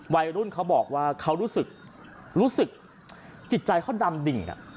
วัยรุ่นเขาบอกว่าเขารู้สึกรู้สึกจิตใจเขาดำดิ่ง